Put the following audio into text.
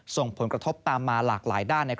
ส่งผลกระทบตามมาหลากหลายด้าน